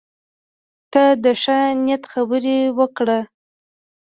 تل د ښه نیت خبرې وکړه.